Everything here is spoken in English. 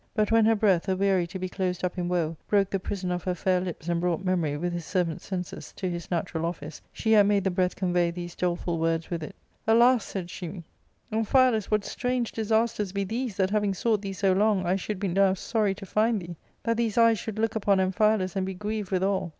But when her breath, aweary to be closed up in woe, broke the prison of her fair lips and brought memory, with his servant senses, to his ^natural office, she yet made the breath convey these doleful words with it :—" Alas !" said she, " Amphialus, what strange disasters be these, that, having sought thee so long, I should be now sorry to find thee ! that these eyes should look upon Amphialus and be grieved withal